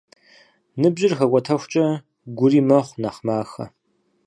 Ныбжьыр хэкӏуэтэхукӏэ, гури мэхъу нэхъ махэ.